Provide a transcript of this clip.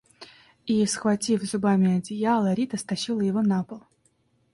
И, схватив зубами одеяло, Рита стащила его на пол.